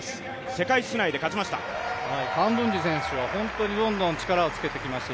世界室内で勝ちました。